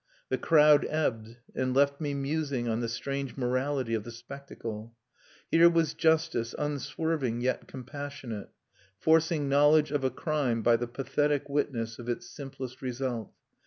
The crowd ebbed, and left me musing on the strange morality of the spectacle. Here was justice unswerving yet compassionate, forcing knowledge of a crime by the pathetic witness of its simplest result.